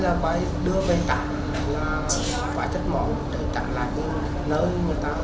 đúng là đúng thế